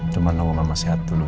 cuman lo mau mama sehat dulu ya